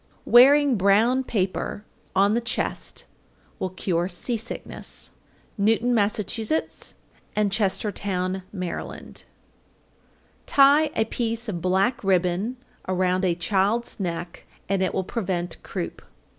_ 805. Wearing brown paper on the chest will cure sea sickness. Newton, Mass., and Chestertown, Md. 806. Tie a piece of black ribbon around a child's neck, and it will prevent croup.